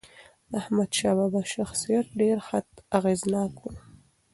د احمدشاه بابا شخصیت ډېر اغېزناک و.